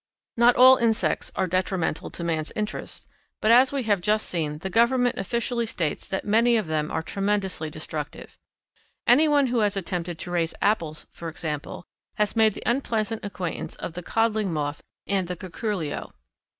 Not all insects are detrimental to man's interests, but as we have just seen the Government officially states that many of them are tremendously destructive. Any one who has attempted to raise apples, for example, has made the unpleasant acquaintance of the codling moth and the curculio.